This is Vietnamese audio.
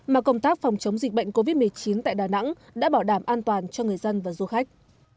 mà công tác phòng chống dịch bệnh covid một mươi chín tại đà nẵng đã bảo đảm an toàn cho người dân và du khách